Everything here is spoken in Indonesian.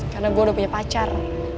karena gue udah punya pacar